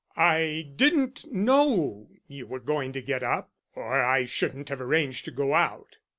"I didn't know you were going to get up, or I shouldn't have arranged to go out."